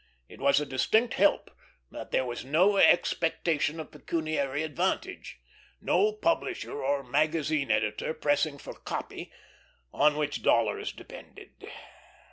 It was a distinct help that there was no expectation of pecuniary advantage; no publisher or magazine editor pressing for "copy," on which dollars depended.